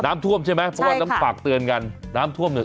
ท่วมใช่ไหมเพราะว่าต้องฝากเตือนกันน้ำท่วมเนี่ย